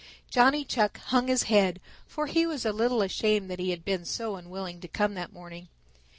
Johnny Chuck hung his head, for he was a little ashamed that he had been so unwilling to come that morning.